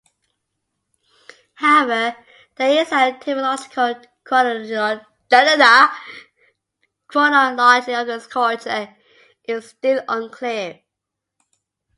However, the exact typological chronology of this culture is still unclear.